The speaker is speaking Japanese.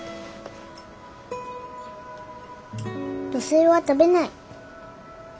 土星は食べない。